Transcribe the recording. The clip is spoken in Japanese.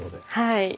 はい。